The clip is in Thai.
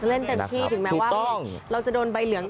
เล่นเต็มที่ถึงแม้ว่าเราจะโดนใบเหลือง